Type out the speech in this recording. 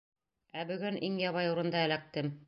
Ә бөгөн... иң ябай урында... эләктем!